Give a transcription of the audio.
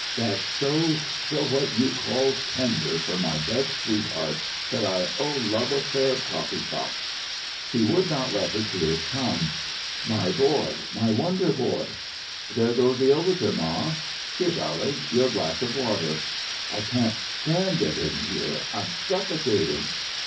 "That's so so what you call 'tender,' for my best sweetheart that I oh, love affair poppycock!" She would not let her tears come. "My boy my wonder boy!" "There goes the overture, ma." "Here, darlink your glass of water." "I can't stand it in here; I'm suffocating!"